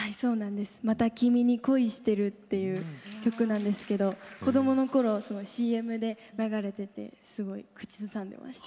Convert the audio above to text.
「また君に恋してる」という曲なんですけれど子どものころ、ＣＭで流れて口ずさんでいました。